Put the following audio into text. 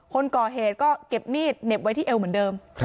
คนก่อเหตุก็เก็บมีดเหน็บไว้ที่เอวเหมือนเดิม